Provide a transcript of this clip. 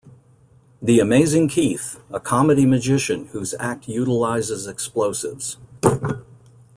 The Amazing Keith: A comedy-magician whose act utilizes explosives.